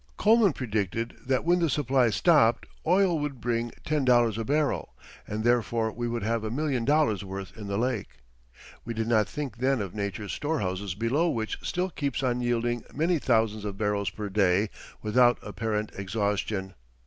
Coleman predicted that when the supply stopped, oil would bring ten dollars a barrel and therefore we would have a million dollars worth in the lake. We did not think then of Nature's storehouse below which still keeps on yielding many thousands of barrels per day without apparent exhaustion.